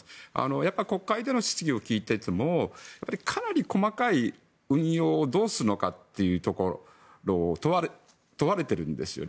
やっぱり国会での質疑を聞いていてもかなり細かい運用をどうするのかというところを問われているんですよね。